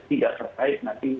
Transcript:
tidak terkait nanti